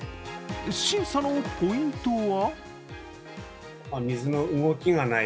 審査のポイントは？